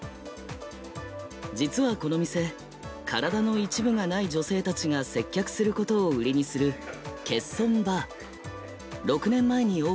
実はこの店体の一部がない女性たちが接客することを売りにする欠損バー。